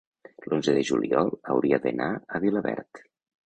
l'onze de juliol hauria d'anar a Vilaverd.